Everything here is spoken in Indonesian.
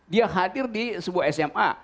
dia hadir di sebuah sma